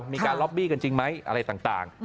มีการล็อบบี้กันจริงไหมอะไรต่าง